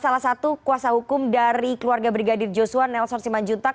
salah satu kuasa hukum dari keluarga brigadir joshua nelson simanjuntak